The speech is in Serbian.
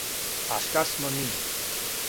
А шта смо ми?